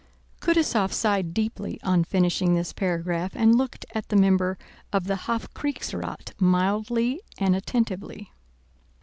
Kutúzov sighed deeply on finishing this paragraph and looked at the member of the Hofkriegsrath mildly and attentively.